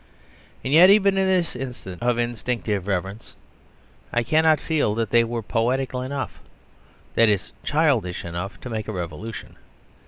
And yet, even in this instant of instinctive reverence, I cannot feel that they were poetical enough, that is childish enough, to make a revolution.